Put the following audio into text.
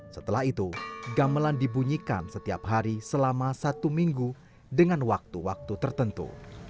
setelah itu gamelan dibunyikan setiap hari selama satu minggu dengan waktu waktu tertentu